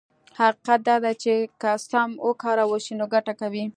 حقيقت دا دی چې که سم وکارول شي نو ګټه کوي.